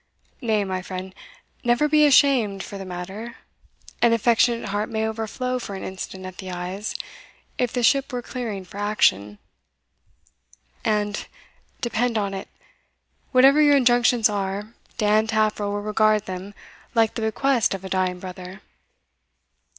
"Nay, my friend, never be ashamed for the matter an affectionate heart may overflow for an instant at the eyes, if the ship were clearing for action; and, depend on it, whatever your injunctions are, Dan Taffril will regard them like the bequest of a dying brother.